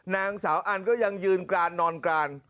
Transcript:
นางสาวอันก็ยังยืนกรานนอนกราน